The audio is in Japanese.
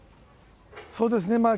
そうですね。